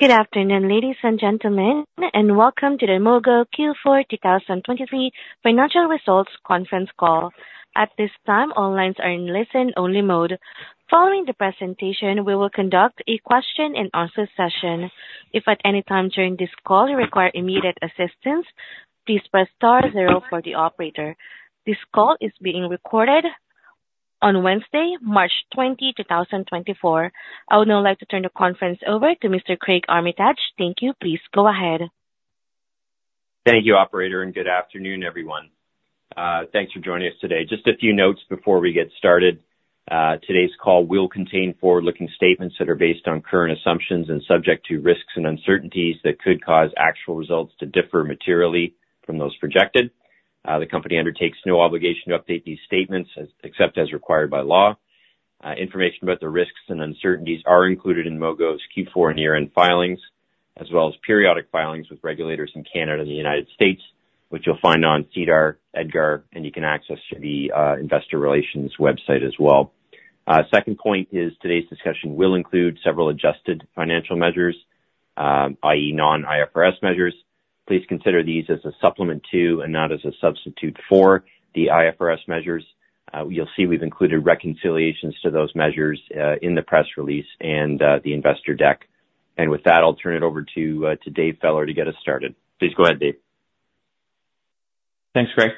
Good afternoon, ladies and gentlemen, and welcome to the Mogo Q4 2023 financial results conference call. At this time, all lines are in listen-only mode. Following the presentation, we will conduct a question-and-answer session. If at any time during this call you require immediate assistance, please press star zero for the operator. This call is being recorded on Wednesday, March 20th, 2024. I would now like to turn the conference over to Mr. Craig Armitage. Thank you. Please go ahead. Thank you, operator, and good afternoon, everyone. Thanks for joining us today. Just a few notes before we get started. Today's call will contain forward-looking statements that are based on current assumptions and subject to risks and uncertainties that could cause actual results to differ materially from those projected. The company undertakes no obligation to update these statements except as required by law. Information about the risks and uncertainties are included in Mogo's Q4 and year-end filings, as well as periodic filings with regulators in Canada and the United States, which you'll find on SEDAR, EDGAR, and you can access the investor relations website as well. Second point is today's discussion will include several adjusted financial measures, i.e., non-IFRS measures. Please consider these as a supplement to and not as a substitute for the IFRS measures. You'll see we've included reconciliations to those measures in the press release and the investor deck. And with that, I'll turn it over to Dave Feller to get us started. Please go ahead, Dave. Thanks, Craig.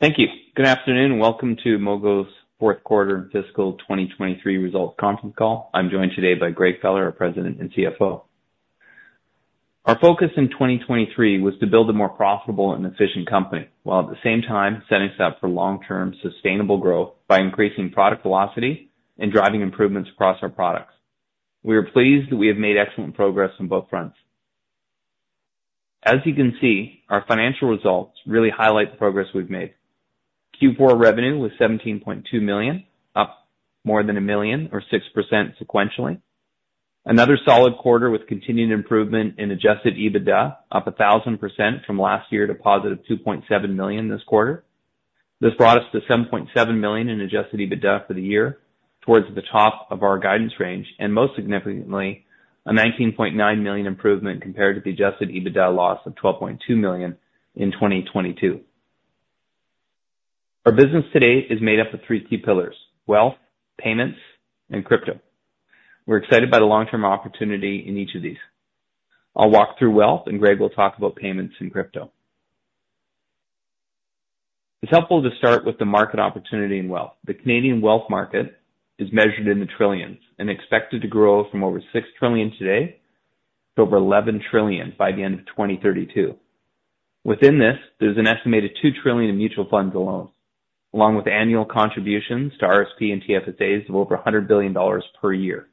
Thank you. Good afternoon and welcome to Mogo's fourth quarter and fiscal 2023 results conference call. I'm joined today by Greg Feller, our president and CFO. Our focus in 2023 was to build a more profitable and efficient company while at the same time setting us up for long-term sustainable growth by increasing product velocity and driving improvements across our products. We are pleased that we have made excellent progress on both fronts. As you can see, our financial results really highlight the progress we've made. Q4 revenue was CAD 17.2 million, up more than 1 million or 6% sequentially. Another solid quarter with continued improvement in Adjusted EBITDA, up 1,000% from last year to positive 2.7 million this quarter. This brought us to 7.7 million in adjusted EBITDA for the year, towards the top of our guidance range, and most significantly, a 19.9 million improvement compared to the adjusted EBITDA loss of 12.2 million in 2022. Our business today is made up of three key pillars: wealth, payments, and crypto. We're excited by the long-term opportunity in each of these. I'll walk through wealth, and Greg will talk about payments and crypto. It's helpful to start with the market opportunity in wealth. The Canadian wealth market is measured in the trillions and expected to grow from over 6 trillion today to over 11 trillion by the end of 2032. Within this, there's an estimated 2 trillion in mutual funds alone, along with annual contributions to RSP and TFSAs of over 100 billion dollars per year.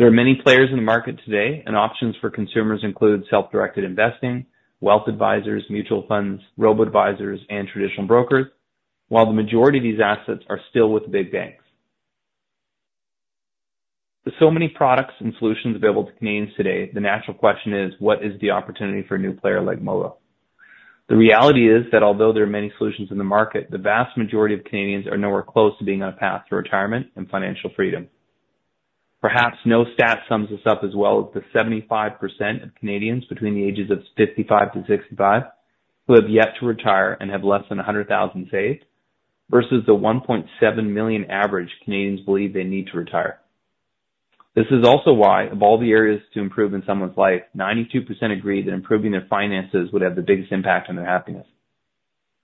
There are many players in the market today, and options for consumers include self-directed investing, wealth advisors, mutual funds, robo-advisors, and traditional brokers, while the majority of these assets are still with the big banks. With so many products and solutions available to Canadians today, the natural question is, what is the opportunity for a new player like Mogo? The reality is that although there are many solutions in the market, the vast majority of Canadians are nowhere close to being on a path to retirement and financial freedom. Perhaps no stat sums this up as well as the 75% of Canadians between the ages of 55-65 who have yet to retire and have less than 100,000 saved versus the 1.7 million average Canadians believe they need to retire. This is also why, of all the areas to improve in someone's life, 92% agree that improving their finances would have the biggest impact on their happiness.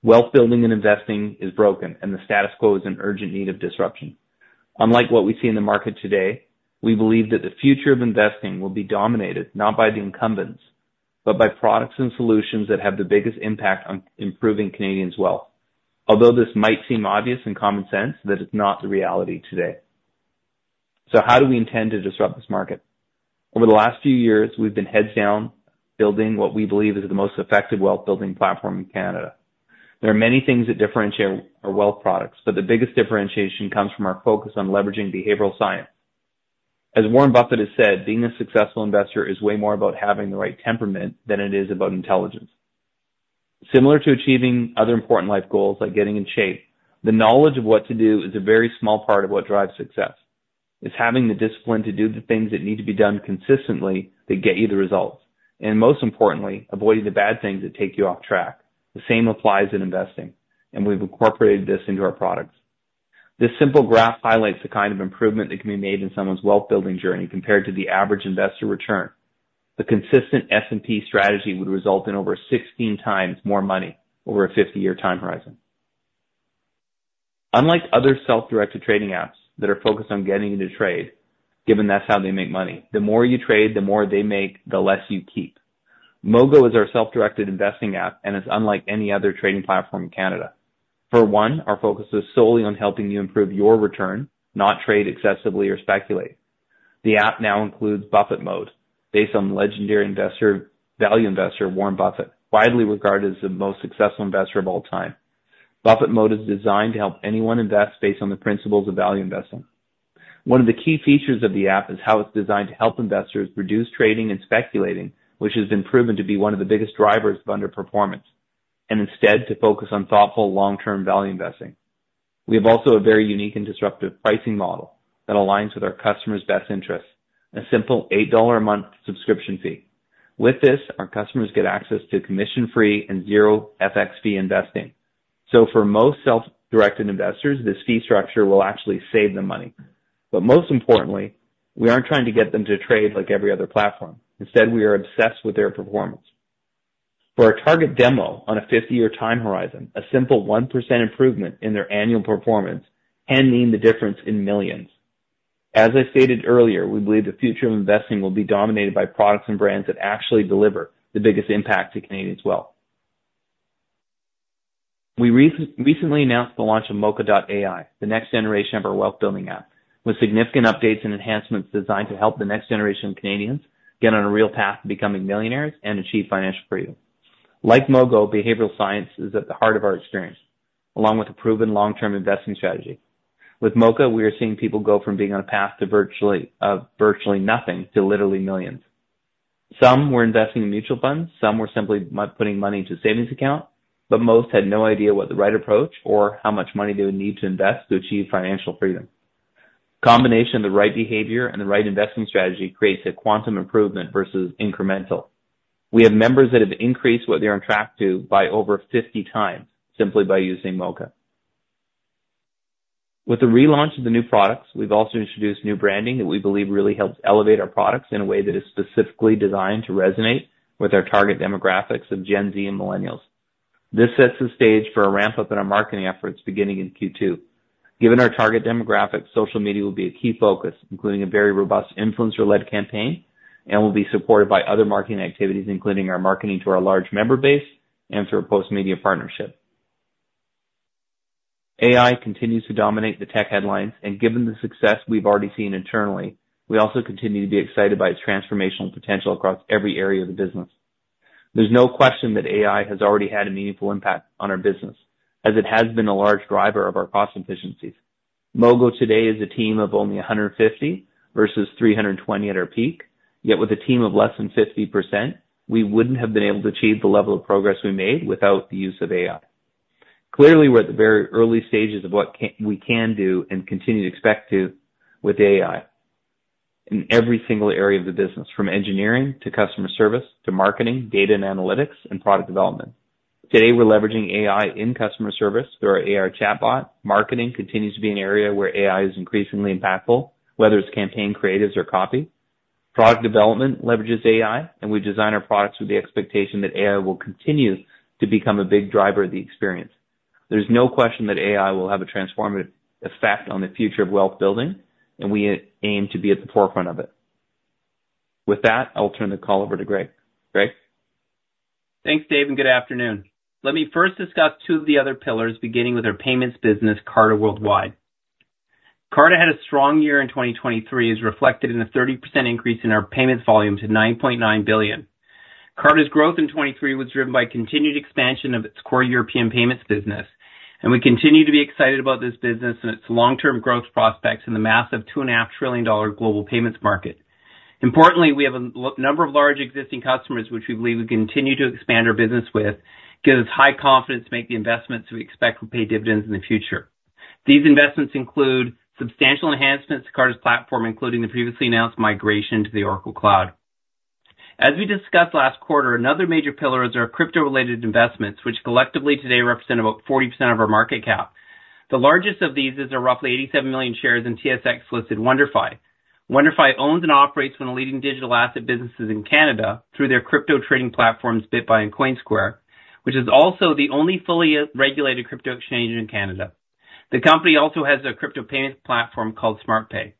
Wealth building and investing is broken, and the status quo is an urgent need of disruption. Unlike what we see in the market today, we believe that the future of investing will be dominated not by the incumbents, but by products and solutions that have the biggest impact on improving Canadians' wealth, although this might seem obvious and common sense that it's not the reality today. How do we intend to disrupt this market? Over the last few years, we've been heads down building what we believe is the most effective wealth building platform in Canada. There are many things that differentiate our wealth products, but the biggest differentiation comes from our focus on leveraging behavioral science. As Warren Buffett has said, being a successful investor is way more about having the right temperament than it is about intelligence. Similar to achieving other important life goals like getting in shape, the knowledge of what to do is a very small part of what drives success. It's having the discipline to do the things that need to be done consistently that get you the results, and most importantly, avoiding the bad things that take you off track. The same applies in investing, and we've incorporated this into our products. This simple graph highlights the kind of improvement that can be made in someone's wealth building journey compared to the average investor return. A consistent S&P strategy would result in over 16 times more money over a 50-year time horizon. Unlike other self-directed trading apps that are focused on getting you to trade, given that's how they make money, the more you trade, the more they make, the less you keep. Mogo is our self-directed investing app and is unlike any other trading platform in Canada. For one, our focus is solely on helping you improve your return, not trade excessively or speculate. The app now includes Buffett Mode based on legendary investor value investor Warren Buffett, widely regarded as the most successful investor of all time. Buffett Mode is designed to help anyone invest based on the principles of value investing. One of the key features of the app is how it's designed to help investors reduce trading and speculating, which has been proven to be one of the biggest drivers of underperformance, and instead to focus on thoughtful long-term value investing. We have also a very unique and disruptive pricing model that aligns with our customers' best interests: a simple CAD 8-a-month subscription fee. With this, our customers get access to commission-free and zero FX fee investing. So for most self-directed investors, this fee structure will actually save them money. But most importantly, we aren't trying to get them to trade like every other platform. Instead, we are obsessed with their performance. For our target demo on a 50-year time horizon, a simple 1% improvement in their annual performance can mean the difference in millions. As I stated earlier, we believe the future of investing will be dominated by products and brands that actually deliver the biggest impact to Canadians' wealth. We recently announced the launch of Moka.ai, the next generation of our wealth building app, with significant updates and enhancements designed to help the next generation of Canadians get on a real path to becoming millionaires and achieve financial freedom. Like Moka, behavioral science is at the heart of our experience, along with a proven long-term investing strategy. With Moka, we are seeing people go from being on a path to virtually, virtually nothing to literally millions. Some were investing in mutual funds. Some were simply, putting money into savings accounts, but most had no idea what the right approach or how much money they would need to invest to achieve financial freedom. A combination of the right behavior and the right investing strategy creates a quantum improvement versus incremental. We have members that have increased what they're on track to by over 50x simply by using Moka. With the relaunch of the new products, we've also introduced new branding that we believe really helps elevate our products in a way that is specifically designed to resonate with our target demographics of Gen Z and millennials. This sets the stage for a ramp-up in our marketing efforts beginning in Q2. Given our target demographics, social media will be a key focus, including a very robust influencer-led campaign, and will be supported by other marketing activities, including our marketing to our large member base and through a Postmedia partnership. AI continues to dominate the tech headlines, and given the success we've already seen internally, we also continue to be excited by its transformational potential across every area of the business. There's no question that AI has already had a meaningful impact on our business, as it has been a large driver of our cost efficiencies. Mogo today is a team of only 150 versus 320 at our peak, yet with a team of less than 50%, we wouldn't have been able to achieve the level of progress we made without the use of AI. Clearly, we're at the very early stages of what we can do and continue to expect to with AI in every single area of the business, from engineering to customer service to marketing, data and analytics, and product development. Today, we're leveraging AI in customer service through our AR chatbot. Marketing continues to be an area where AI is increasingly impactful, whether it's campaign creatives or copy. Product development leverages AI, and we design our products with the expectation that AI will continue to become a big driver of the experience. There's no question that AI will have a transformative effect on the future of wealth building, and we aim to be at the forefront of it. With that, I'll turn the call over to Greg. Greg? Thanks, Dave, and good afternoon. Let me first discuss two of the other pillars, beginning with our payments business, Carta Worldwide. Carta had a strong year in 2023, as reflected in a 30% increase in our payments volume to 9.9 billion. Carta's growth in 2023 was driven by continued expansion of its core European payments business, and we continue to be excited about this business and its long-term growth prospects in the massive $2.5 trillion global payments market. Importantly, we have a number of large existing customers, which we believe we continue to expand our business with, give us high confidence to make the investments we expect will pay dividends in the future. These investments include substantial enhancements to Carta's platform, including the previously announced migration to the Oracle Cloud. As we discussed last quarter, another major pillar is our crypto-related investments, which collectively today represent about 40% of our market cap. The largest of these is roughly 87 million shares in TSX-listed WonderFi. WonderFi owns and operates one of the leading digital asset businesses in Canada through their crypto trading platforms, Bitbuy and Coinsquare, which is also the only fully regulated crypto exchange in Canada. The company also has a crypto payments platform called SmartPay.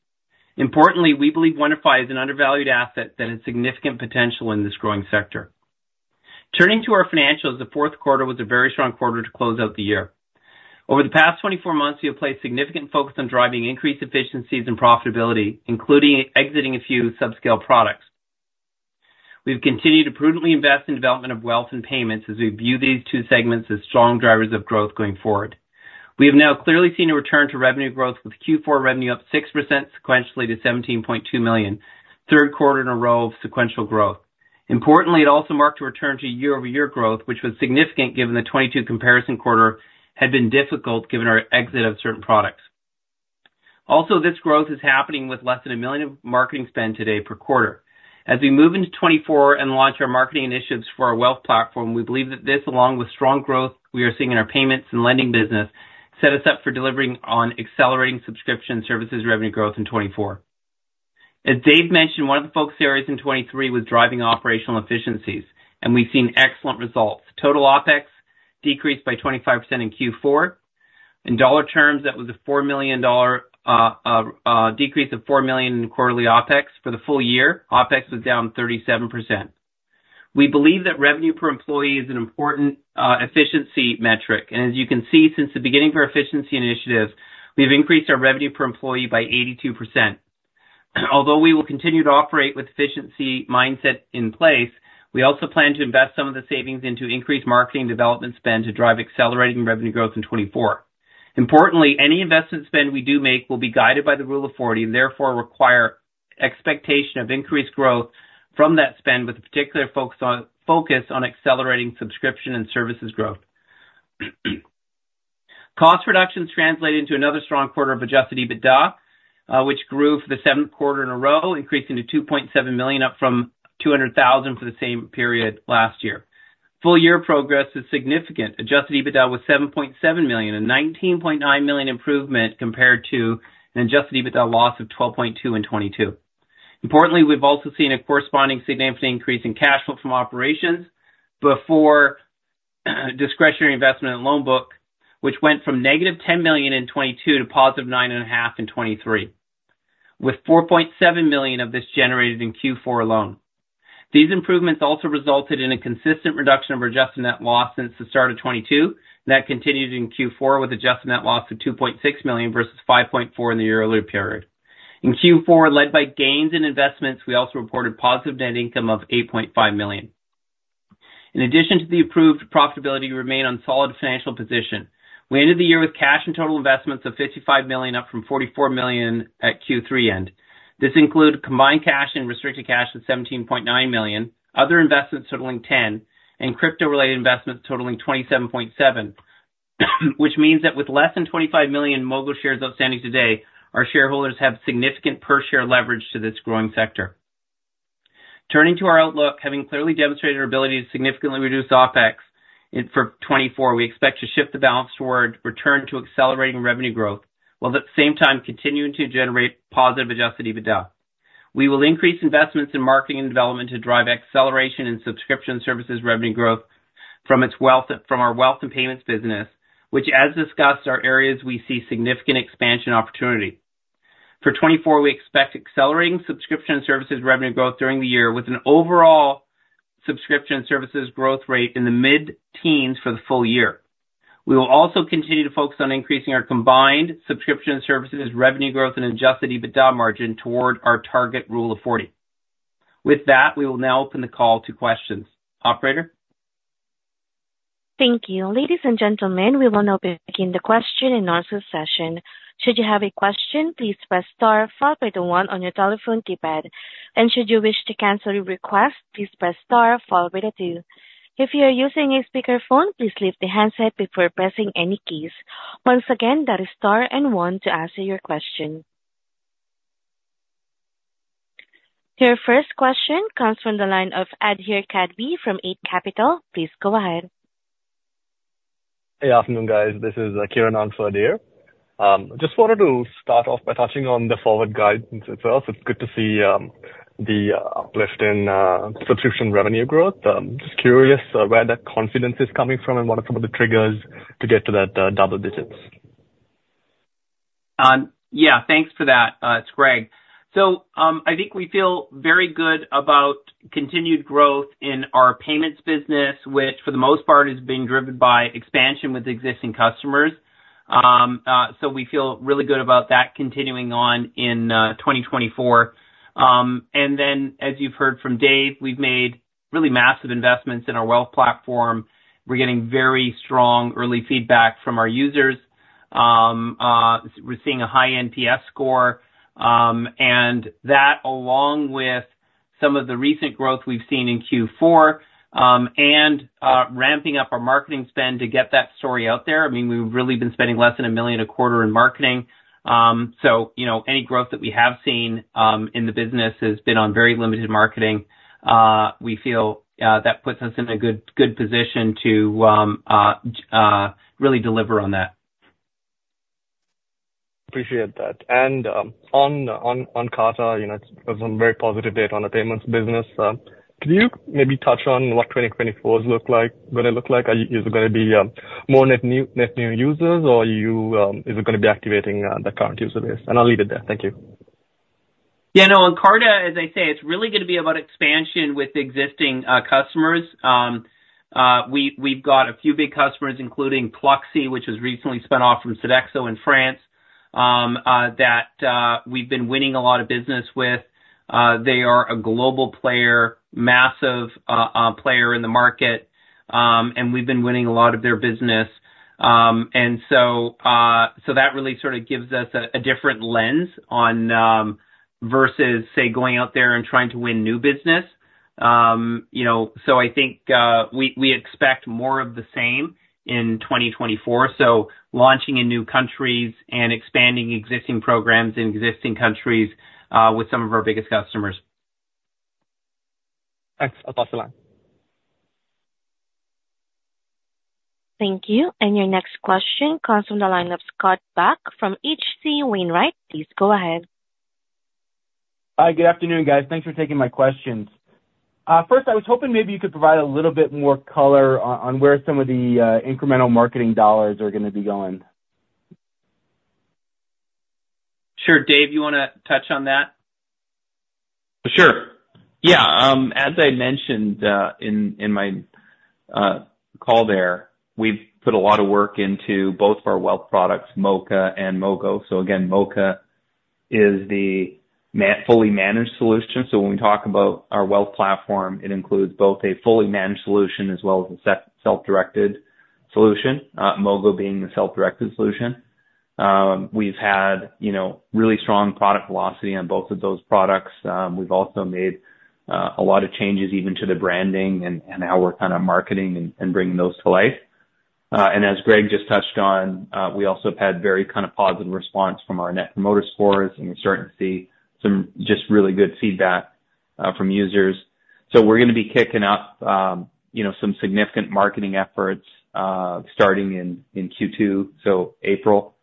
Importantly, we believe WonderFi is an undervalued asset that has significant potential in this growing sector. Turning to our financials, the fourth quarter was a very strong quarter to close out the year. Over the past 24 months, we have placed significant focus on driving increased efficiencies and profitability, including exiting a few subscale products. We've continued to prudently invest in development of wealth and payments as we view these two segments as strong drivers of growth going forward. We have now clearly seen a return to revenue growth, with Q4 revenue up 6% sequentially to 17.2 million, third quarter in a row of sequential growth. Importantly, it also marked a return to year-over-year growth, which was significant given the 2022 comparison quarter had been difficult given our exit of certain products. Also, this growth is happening with less than 1 million of marketing spend today per quarter. As we move into 2024 and launch our marketing initiatives for our wealth platform, we believe that this, along with strong growth we are seeing in our payments and lending business, set us up for delivering on accelerating subscription services revenue growth in 2024. As Dave mentioned, one of the focus areas in 2023 was driving operational efficiencies, and we've seen excellent results. Total OpEx decreased by 25% in Q4. In dollar terms, that was a 4 million dollar decrease of 4 million in quarterly OpEx. For the full year, OpEx was down 37%. We believe that revenue per employee is an important efficiency metric. As you can see, since the beginning of our efficiency initiatives, we've increased our revenue per employee by 82%. Although we will continue to operate with efficiency mindset in place, we also plan to invest some of the savings into increased marketing development spend to drive accelerating revenue growth in 2024. Importantly, any investment spend we do make will be guided by the Rule of 40 and therefore require expectation of increased growth from that spend, with a particular focus on focus on accelerating subscription and services growth. Cost reductions translated into another strong quarter of adjusted EBITDA, which grew for the seventh quarter in a row, increasing to 2.7 million, up from 200,000 for the same period last year. Full-year progress is significant. Adjusted EBITDA was 7.7 million, a 19.9 million improvement compared to an adjusted EBITDA loss of 12.2 million in 2022. Importantly, we've also seen a corresponding significant increase in cash flow from operations before discretionary investment and loan book, which went from negative 10 million in 2022 to positive 9.5 million in 2023, with 4.7 million of this generated in Q4 alone. These improvements also resulted in a consistent reduction of our adjusted net loss since the start of 2022, and that continued in Q4 with adjusted net loss of 2.6 million versus 5.4 million in the year earlier period. In Q4, led by gains in investments, we also reported positive net income of 8.5 million. In addition to the improved profitability, we remain on solid financial position. We ended the year with cash and total investments of 55 million, up from 44 million at Q3 end. This included combined cash and restricted cash of 17.9 million, other investments totaling 10 million, and crypto-related investments totaling 27.7 million, which means that with less than 25 million Mogo shares outstanding today, our shareholders have significant per-share leverage to this growing sector. Turning to our outlook, having clearly demonstrated our ability to significantly reduce OpEx in 2024, we expect to shift the balance toward return to accelerating revenue growth while at the same time continuing to generate positive Adjusted EBITDA. We will increase investments in marketing and development to drive acceleration in subscription services revenue growth from its wealth from our wealth and payments business, which, as discussed, are areas we see significant expansion opportunity. For 2024, we expect accelerating subscription services revenue growth during the year, with an overall subscription services growth rate in the mid-teens for the full year. We will also continue to focus on increasing our combined subscription services revenue growth and Adjusted EBITDA margin toward our target Rule of 40. With that, we will now open the call to questions. Operator? Thank you. Ladies and gentlemen, we will now begin the question and answer session. Should you have a question, please press star, followed by the one on your telephone keypad. And should you wish to cancel your request, please press star, followed by the two. If you are using a speakerphone, please lift the handset before pressing any keys. Once again, that is star and one to answer your question. Your first question comes from the line of Adhir Kadve from Eight Capital. Please go ahead. Hey, afternoon, guys. This is Kieran on for Adher. Just wanted to start off by touching on the forward guidance itself. It's good to see the uplift in subscription revenue growth. Just curious where that confidence is coming from and what are some of the triggers to get to that double digits. Yeah, thanks for that. It's Greg. So, I think we feel very good about continued growth in our payments business, which for the most part is being driven by expansion with existing customers. So we feel really good about that continuing on in 2024. And then, as you've heard from Dave, we've made really massive investments in our wealth platform. We're getting very strong early feedback from our users. We're seeing a high NPS score. And that, along with some of the recent growth we've seen in Q4, and ramping up our marketing spend to get that story out there. I mean, we've really been spending less than 1 million a quarter in marketing. So, you know, any growth that we have seen in the business has been on very limited marketing. We feel that puts us in a good, good position to just really deliver on that. Appreciate that. And on Carta, you know, it's a very positive day on the payments business. Could you maybe touch on what 2024's gonna look like? Is it gonna be more net new users, or is it gonna be activating the current user base? And I'll leave it there. Thank you. Yeah, no, on Carta, as I say, it's really gonna be about expansion with existing customers. We've got a few big customers, including Pluxee, which has recently spun off from Sodexo in France, that we've been winning a lot of business with. They are a global player, massive player in the market. And we've been winning a lot of their business. And so that really sort of gives us a different lens on, versus, say, going out there and trying to win new business. You know, so I think we expect more of the same in 2024, so launching in new countries and expanding existing programs in existing countries, with some of our biggest customers. Thanks. pass around. Thank you. And your next question comes from the line of Scott Buck from H.C. Wainwright. Please go ahead. Hi, good afternoon, guys. Thanks for taking my questions. First, I was hoping maybe you could provide a little bit more color on where some of the incremental marketing dollars are gonna be going. Sure, Dave, you wanna touch on that? Sure. Yeah, as I mentioned, in my call there, we've put a lot of work into both of our wealth products, Moka and Mogo. So again, Moka is the fully managed solution. So when we talk about our wealth platform, it includes both a fully managed solution as well as a self-directed solution, Mogo being the self-directed solution. We've had, you know, really strong product velocity on both of those products. We've also made a lot of changes even to the branding and how we're kinda marketing and bringing those to life. And as Greg just touched on, we also have had very kinda positive response from our Net Promoter scores, and we're starting to see some just really good feedback from users. So we're gonna be kicking up, you know, some significant marketing efforts, starting in Q2, so April.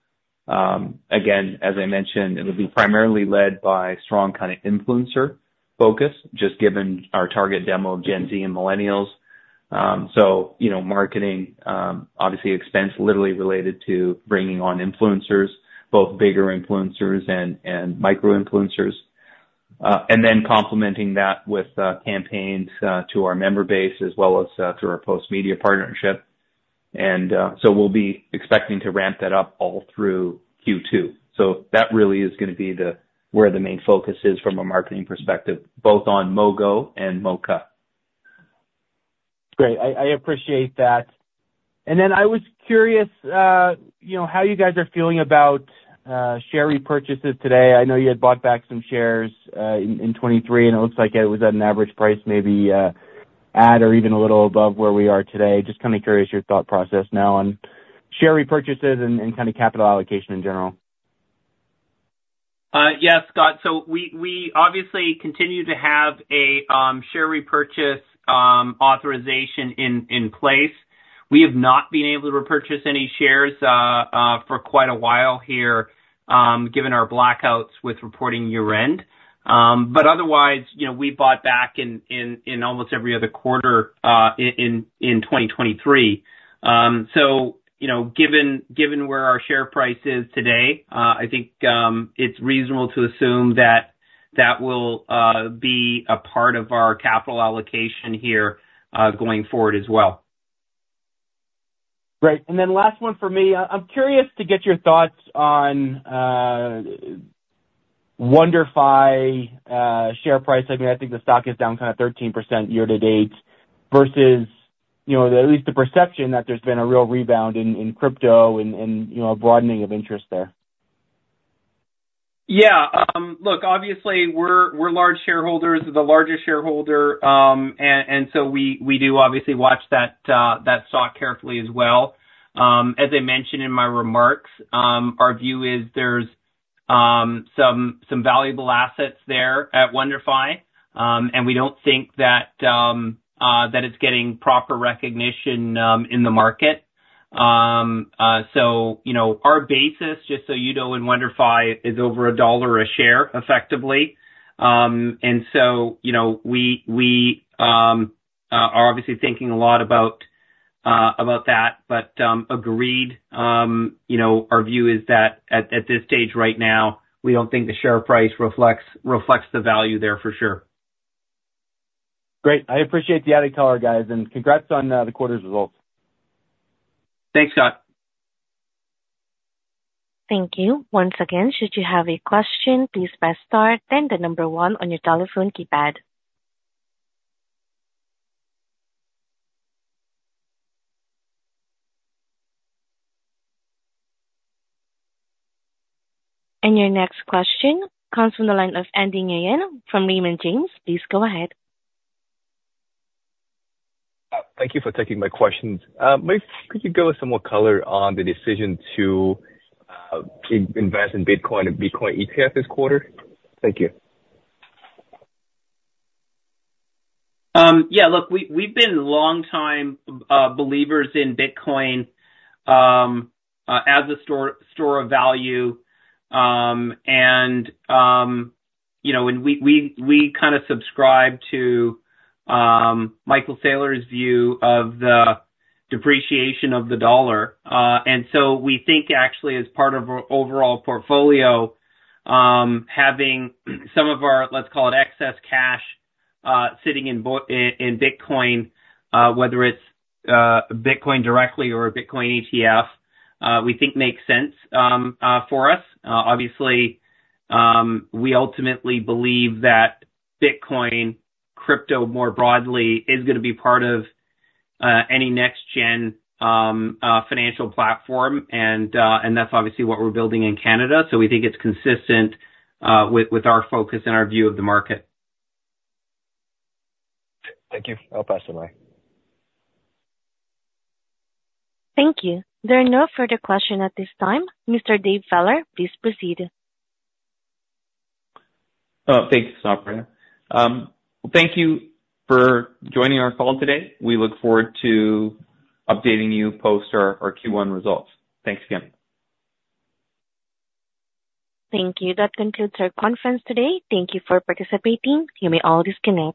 Again, as I mentioned, it'll be primarily led by strong kinda influencer focus, just given our target demo of Gen Z and millennials. So, you know, marketing expenses directly related to bringing on influencers, both bigger influencers and micro-influencers, and then complementing that with campaigns to our member base as well as through our Postmedia partnership. So we'll be expecting to ramp that up all through Q2. So that really is gonna be where the main focus is from a marketing perspective, both on Mogo and Moka. Great. I appreciate that. And then I was curious, you know, how you guys are feeling about share repurchases today. I know you had bought back some shares in 2023, and it looks like it was at an average price maybe at or even a little above where we are today. Just kinda curious your thought process now on share repurchases and kinda capital allocation in general. Yeah, Scott. So we obviously continue to have a share repurchase authorization in place. We have not been able to repurchase any shares for quite a while here, given our blackouts with reporting year-end. But otherwise, you know, we bought back in almost every other quarter in 2023. So, you know, given where our share price is today, I think it's reasonable to assume that that will be a part of our capital allocation here, going forward as well. Great. And then last one for me. I'm curious to get your thoughts on WonderFi share price. I mean, I think the stock is down kinda 13% year-to-date versus, you know, at least the perception that there's been a real rebound in crypto and, you know, a broadening of interest there. Yeah. Look, obviously, we're large shareholders, the largest shareholder. And so we do obviously watch that stock carefully as well. As I mentioned in my remarks, our view is there's some valuable assets there at WonderFi. And we don't think that it's getting proper recognition in the market. So, you know, our basis, just so you know, in WonderFi is over CAD 1 a share, effectively. And so, you know, we are obviously thinking a lot about that, but agreed. You know, our view is that at this stage right now, we don't think the share price reflects the value there for sure. Great. I appreciate the added color, guys. And congrats on the quarter's results. Thanks, Scott. Thank you. Once again, should you have a question, please press star, then the number 1 on your telephone keypad. Your next question comes from the line of Andy Nguyen from Raymond James. Please go ahead. Thank you for taking my questions. Could you give us some more color on the decision to invest in Bitcoin and Bitcoin ETF this quarter? Thank you. Yeah, look, we've been long-time believers in Bitcoin as a store of value. And, you know, we kinda subscribe to Michael Saylor's view of the depreciation of the dollar. And so we think, actually, as part of our overall portfolio, having some of our, let's call it, excess cash, sitting in Bitcoin, whether it's Bitcoin directly or a Bitcoin ETF, we think makes sense for us. Obviously, we ultimately believe that Bitcoin, crypto more broadly, is gonna be part of any next-gen financial platform. And that's obviously what we're building in Canada. So we think it's consistent with our focus and our view of the market. Thank you Thank you. There are no further questions at this time. Mr. Dave Feller, please proceed. Oh, thanks, Operator. Well, thank you for joining our call today. We look forward to updating you post our Q1 results. Thanks again. Thank you. That concludes our conference today. Thank you for participating. You may all disconnect.